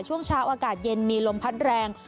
ช่วงเช้าอากาศเย็นมีลมพัดแรง